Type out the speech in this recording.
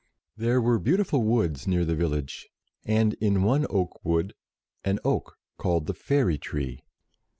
There were beautiful woods near the village, and in one oak wood an oak called the Fairy Tree.